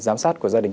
giám sát của gia đình